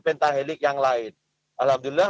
pentahelik yang lain alhamdulillah